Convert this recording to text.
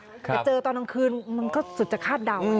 แต่เจอตอนกลางคืนมันก็สุดจะคาดเดา